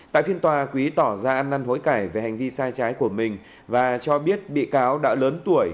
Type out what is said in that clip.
tại phiên tòa quý tỏ ra ăn năn hối cải về hành vi sai trái của mình và cho biết bị cáo đã lớn tuổi